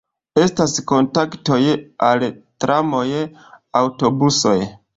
Estas kontaktoj al tramoj, aŭtobusoj.